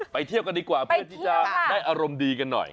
เที่ยวกันดีกว่าเพื่อที่จะได้อารมณ์ดีกันหน่อย